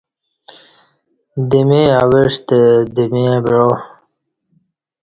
دمے اَوعستہ دمے بعا